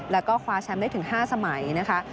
แล้วก็คว้าแชมป์ได้ถึง๕สมัยนะคะ